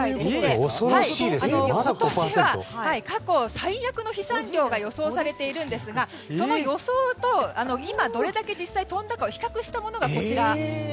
今年は過去最悪の飛散量が予想されているんですがその予想と今どれだけ飛んでいるかを比較したものがこちら。